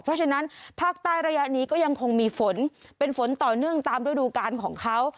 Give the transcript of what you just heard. เพราะฉะนั้นภาคใต้ระยะนี้ก็ยังคงมีฝนเป็นฝนต่อเนื่องตามฤดูการของเขา